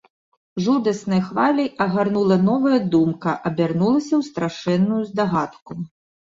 Жудаснай хваляй агарнула новая думка, абярнулася ў страшэнную здагадку.